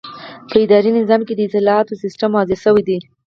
په اداري نظام کې د اصلاحاتو سیسټم واضح شوی دی.